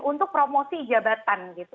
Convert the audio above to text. untuk promosi jabatan